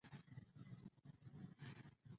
د بغل د خولې لپاره د لیمو اوبه وکاروئ